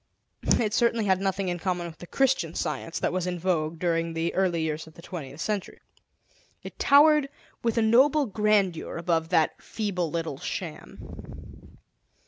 It certainly had nothing in common with the "Christian Science" that was in vogue during the early years of the twentieth Century; it towered with a noble grandeur above that feeble little sham.